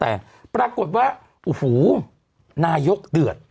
แต่ปรากฏว่าโอ้โหนายกเดือด